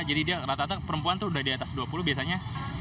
jadi dia rata rata perempuan itu udah di atas dua puluh biasanya